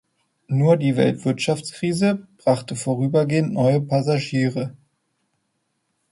Nur die Weltwirtschaftskrise brachte vorübergehend neue Passagiere.